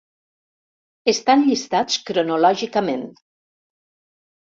Estan llistats cronològicament.